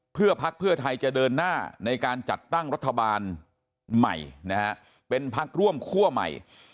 เพื่อพักเพื่อไทยจะเดินหน้าในการจัดตั้งรัฐบาลใหม่นะฮะเป็นพักร่วมคั่วใหม่